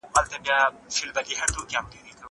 زه به اوږده موده درسونه اورېدلي وم!